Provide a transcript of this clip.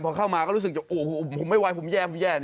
พอเข้ามาก็รู้สึกโอ้โหผมไม่ไหวผมแย่ผมแย่